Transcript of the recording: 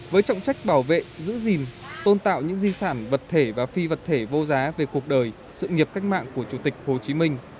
với trọng trách bảo vệ giữ gìn tôn tạo những di sản vật thể và phi vật thể vô giá về cuộc đời sự nghiệp cách mạng của chủ tịch hồ chí minh